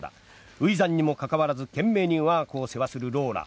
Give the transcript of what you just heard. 初産にも関わらず懸命にわが子を世話するローラ。